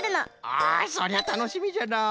あそりゃたのしみじゃのう。